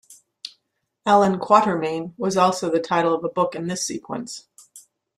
"Allan Quatermain" was also the title of a book in this sequence.